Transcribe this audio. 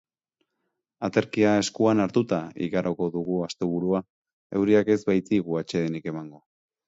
Aterkia eskuan hartuta igaroko dugu asteburua, euriak ez baitigu atsedenik emango.